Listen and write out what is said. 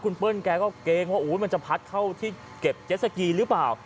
คุณเปิ้ลแกก็เกรงว่ามันจะพัดเข้าที่เก็บเจสสกีหรือเปล่า